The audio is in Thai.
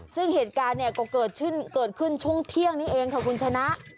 ซึ่งเหตุการณ์เนี่ยก็เกิดขึ้นช่วงเที่ยงนี้เองค่ะคุณชนะ